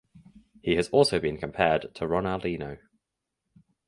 He has also been compared to Ronaldinho.